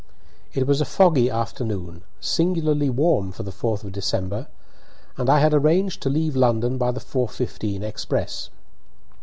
It was a foggy afternoon, singularly warm for the 4th of December, and I had arranged to leave London by the 4:15 express.